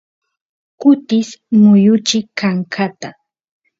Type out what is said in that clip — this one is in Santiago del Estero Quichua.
kutis muyuchi kankata